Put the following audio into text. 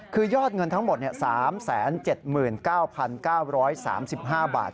คือยอดเงินทั้งหมด๓๗๙๙๓๕บาท